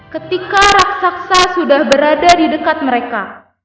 ketika raksasa sudah berada di dekat mereka